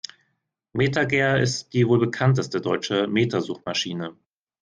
MetaGer ist die wohl bekannteste deutsche Meta-Suchmaschine.